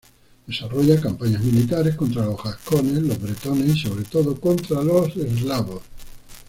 Desarrolla campañas militares contra los gascones, los bretones y sobre todo contra los eslavos.